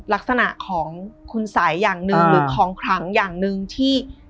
ลักษณะของคุณสัยอย่างหนึ่งหรือของขลังอย่างหนึ่งที่